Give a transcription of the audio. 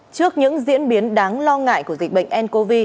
trước những diễn biến đáng lo ngại của dịch bệnh ncov